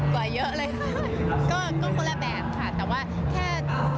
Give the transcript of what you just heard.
เผื่อนี่ผมไม่ได้เผื่อร้อยเปอร์เซ็นเว่าไหว